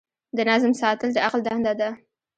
د نظم ساتل د عقل دنده ده.